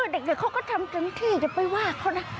เด็กเขาก็ทำเต็มที่อย่าไปว่าเขานะ